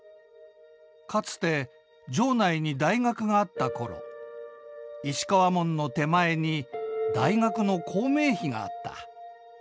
かつて城内に大学があった頃石川門の手前に大学の校名碑があった。